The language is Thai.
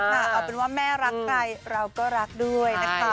เอาเป็นว่าแม่รักใครเราก็รักด้วยนะคะ